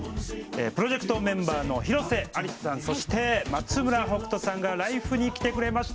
プロジェクトメンバーの広瀬アリスさんそして松村北斗さんが「ＬＩＦＥ！」に来てくれました。